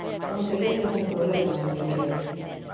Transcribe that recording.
Non sería ningún problema, señoría.